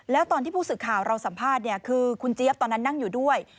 แล้วตอนที่ผู้สื่อข่าวเราสัมภาษณ์คือคุณเจี๊ยบตอนนั้นนั่งอยู่ด้วย